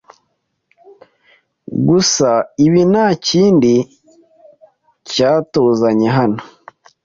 Gusa ibi ntakindi cyatuzanye hano